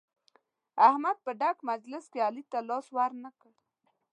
احمد په ډک مجلس کې علي ته لاس ور نه کړ.